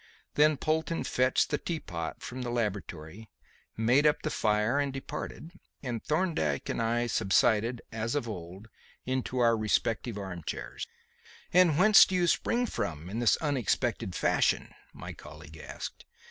Then Polton fetched the tea pot from the laboratory, made up the fire and departed, and Thorndyke and I subsided, as of old, into our respective arm chairs. "And whence do you spring from in this unexpected fashion?" my colleague asked.